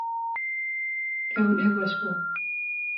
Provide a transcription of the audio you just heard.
Ew ne baş bû